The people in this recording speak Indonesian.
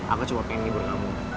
aku cuma pengen libur kamu